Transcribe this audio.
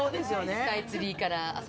スカイツリーから浅草に。